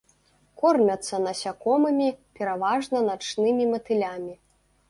Кормяцца насякомымі, пераважна начнымі матылямі.